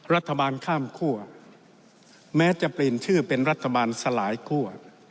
รัฐบาลข้ามคั่วแม้จะเปลี่ยนชื่อเป็นรัฐบาลสลายคั่ว